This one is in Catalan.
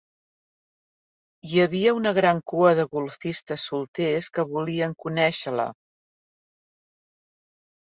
Hi havia una gran cua de golfistes solters que volien conèixer-la.